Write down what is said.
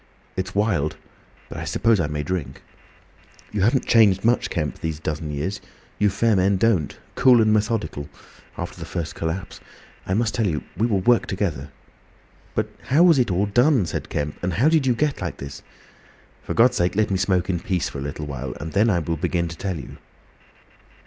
"It's wild—but I suppose I may drink." "You haven't changed much, Kemp, these dozen years. You fair men don't. Cool and methodical—after the first collapse. I must tell you. We will work together!" "But how was it all done?" said Kemp, "and how did you get like this?" "For God's sake, let me smoke in peace for a little while! And then I will begin to tell you."